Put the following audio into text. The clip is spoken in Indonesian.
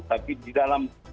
tapi di dalam